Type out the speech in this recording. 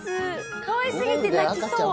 かわい過ぎて泣きそう。